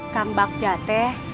kang bakja teh